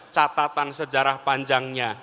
catatan sejarah panjangnya